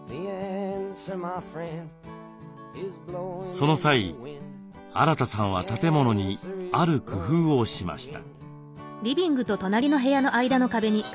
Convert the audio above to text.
その際アラタさんは建物にある工夫をしました。